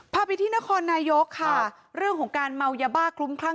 พาไปที่นครนายกค่ะเรื่องของการเมายาบ้าคลุ้มคลั่ง